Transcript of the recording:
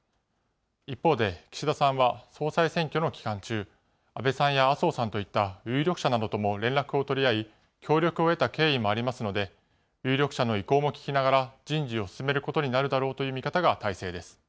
一方で岸田さんは、総裁選挙の期間中、安倍さんや麻生さんといった有力者などとも連絡を取り合い、協力を得た経緯もありますので、有力者の意向も聞きながら、人事を進めることになるだろうという見方が大勢です。